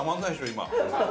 今。